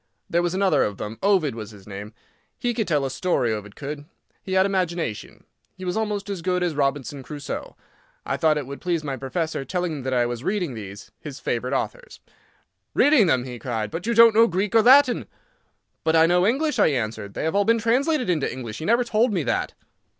There was another of them—Ovid was his name. He could tell a story, Ovid could. He had imagination. He was almost as good as "Robinson Crusoe." I thought it would please my professor, telling him that I was reading these, his favourite authors. "Reading them!" he cried, "but you don't know Greek or Latin." "But I know English," I answered; "they have all been translated into English. You never told me that!"